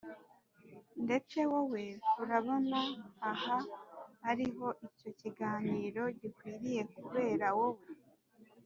mbese wowe urabona aha ariho icyo kiganiro gikwiriye kubera wowe